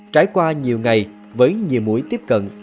trải qua nhiều ngày với nhiều mũi tiếp cận